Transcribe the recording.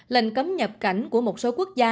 lệnh cấm nhập cảnh của một số quốc gia